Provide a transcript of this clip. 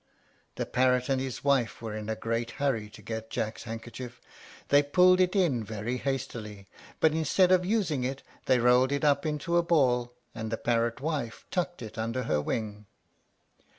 The parrot and his wife were in a great hurry to get Jack's handkerchief. They pulled it in very hastily; but instead of using it they rolled it up into a ball, and the parrot wife tucked it under her wing.